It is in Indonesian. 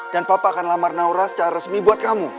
dan papa akan lamar naura secara resmi buat kamu